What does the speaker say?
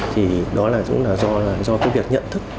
thì đó là cũng là do cái việc nhận thức của người dùng này